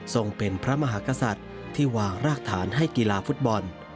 เป็นพระมหากษัตริย์ที่วางรากฐานให้กีฬาฟุตบอล